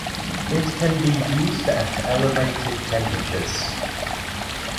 It can be used at elevated temperatures.